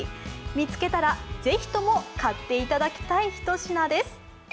見つけたらぜひとも買っていただきたいひと品です。